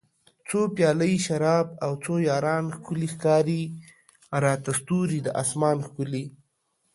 څو پیالۍ شراب او څو یاران ښکلي ښکاري راته ستوري د اسمان ښکلي